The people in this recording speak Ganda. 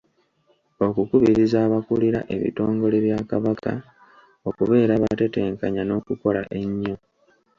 Okukubiriza abakulira ebitongole bya Kabaka okubeera abatetenkanya n’okukola ennyo.